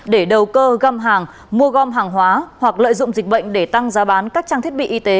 để đầu cơ găm hàng mua gom hàng hóa hoặc lợi dụng dịch bệnh để tăng giá bán các trang thiết bị y tế